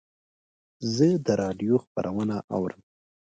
زه د رادیو خپرونه اورم.